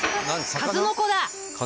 数の子だ！